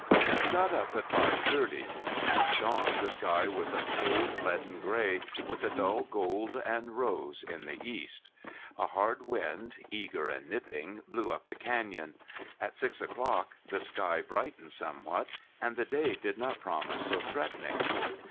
We got up at five thirty. At dawn the sky was a cold leaden gray, with a dull gold and rose in the east. A hard wind, eager and nipping, blew up the canyon. At six o'clock the sky brightened somewhat and the day did not promise so threatening.